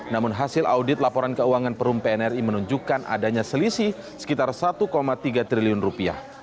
namun hasil audit laporan keuangan perum pnri menunjukkan adanya selisih sekitar satu tiga triliun rupiah